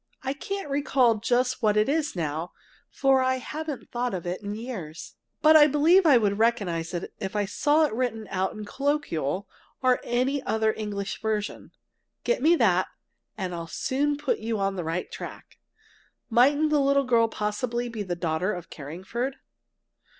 I can't recall just what it was now, for I haven't thought of it in years. But I believe I'd recognize it if I saw it written out in Colloquial or any other English version! Get me that, and I'll soon put you on the right track! Mightn't the little girl possibly be the daughter of Carringford?